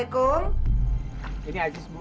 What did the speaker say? tengah tengah saskia ada di mana bu